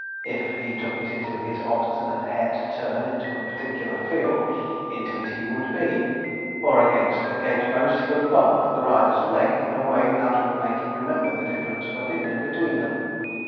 If he took it into his obstinate head to turn into a particular field, into it he would be; or against the gate post he would bump the rider's leg in a way that would make him remember the difference of opinion between them.